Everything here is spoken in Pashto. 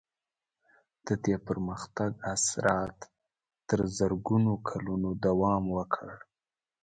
د دې پرمختګ اثرات تر زرګونو کلونو دوام وکړ.